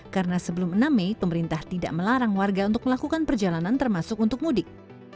karena sebelum enam mei pemerintah tidak melarang warga untuk melakukan perjalanan termasuk untuk mudik